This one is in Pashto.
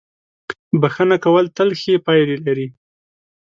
• بښنه کول تل ښې پایلې لري.